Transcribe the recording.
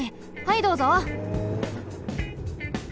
はいどうぞ。